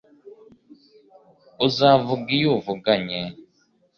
Uzavuga iyo uvuganye